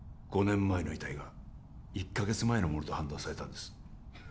５年前の遺体が１カ月前のものと判断されたんです